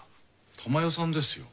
珠世さんですよ。